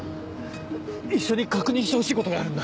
一緒に確認してほしいことがあるんだ。